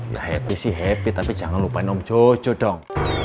ya happy sih happy tapi jangan lupain om jojo dong